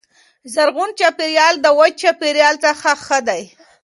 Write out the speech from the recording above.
زرغون چاپیریال د وچ چاپیریال څخه ښه دی.